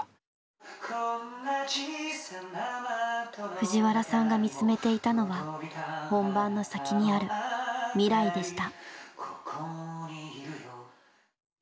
藤原さんが見つめていたのは本番の先にある未来でした。